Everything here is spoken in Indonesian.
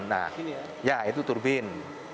nah ya itu turbin